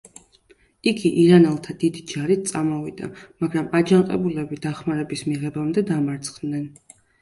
იგი ირანელთა დიდი ჯარით წამოვიდა, მაგრამ აჯანყებულები დახმარების მიღებამდე დამარცხდნენ.